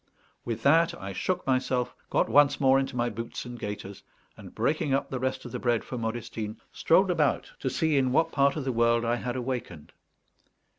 With that I shook myself, got once more into my boots and gaiters, and, breaking up the rest of the bread for Modestine, strolled about to see in what part of the world I had awakened.